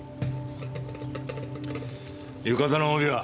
浴衣の帯は？